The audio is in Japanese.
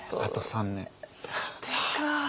３年か。